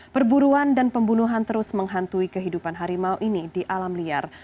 perburuan dan pembunuhan terus menghantui kehidupan harimau ini di alam liar